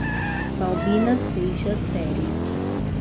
Baubina Seixas Peres